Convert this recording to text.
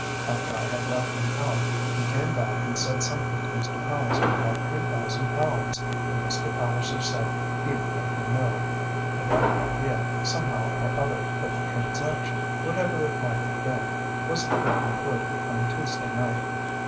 After I had let him out, he came back and said something to Mr. Palliser about three thousand pounds, and Mr. Palliser said he would let him know. I got the idea, somehow or other, that the transaction, whatever it might have been, was to be concluded on Tuesday night."